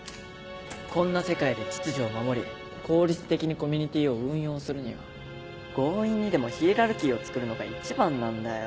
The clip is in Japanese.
こんな世界で秩序を守り効率的にコミュニティーを運用するには強引にでもヒエラルキーをつくるのが一番なんだよ。